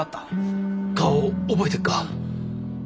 顔を覚えてっか？